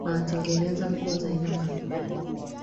wanatengeneza nguo za aina mbalimbali